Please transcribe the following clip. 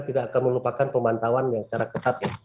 kita melupakan pemantauan yang secara ketat